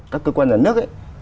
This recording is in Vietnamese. các cơ quan nhà nước ấy